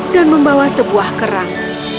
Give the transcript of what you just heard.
dan membawa sebuah kerang